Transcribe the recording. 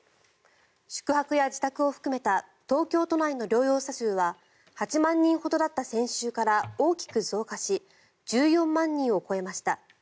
宿泊や自宅を含めた東京都内の療養者数は８万人ほどだった先週から大きく増加し１４万人を超えました。